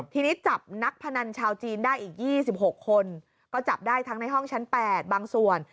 ทีนี้จับนักพนันชาวจีนได้อีก๒๖คนก็จับได้ทั้งในห้องชั้น๘บางส่วน